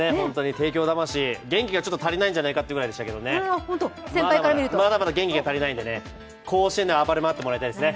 帝京魂、ちょっと元気が足りないんじゃないかなってぐらいでしたけどねまだまだ元気が足りないんで、甲子園では暴れ回ってほしいですね。